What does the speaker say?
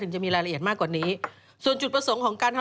ซึ่งตอน๕โมง๔๕นะฮะทางหน่วยซิวได้มีการยุติการค้นหาที่